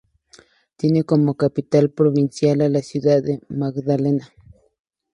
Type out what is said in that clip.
Tiene como capital provincial a la ciudad de Magdalena.